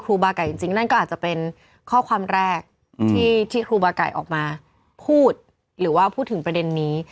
บาไก่จริงนั่นก็อาจจะเป็นข้อความแรกที่ครูบาไก่ออกมาพูดหรือว่าพูดถึงประเด็นนี้